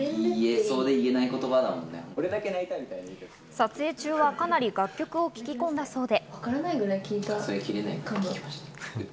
撮影中はかなり楽曲を聴きこんだそうで。